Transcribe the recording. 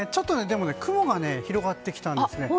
でも雲が広がってきたんですね。